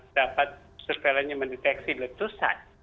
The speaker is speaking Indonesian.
dapat sekelilingnya mendeteksi letusan